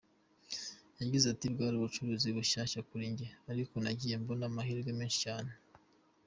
Yagize ati ‘‘Bwari ubucuruzi bushyashya kuri njye, ariko nagiye mbona amahirwe menshi cyane.